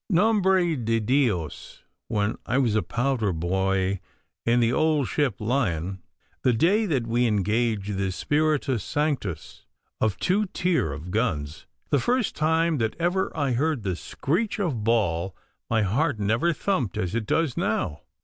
Nombre de Dios, when I was a powder boy in the old ship Lion, the day that we engaged the Spiritus Sanctus of two tier o' guns the first time that ever I heard the screech of ball my heart never thumped as it does now.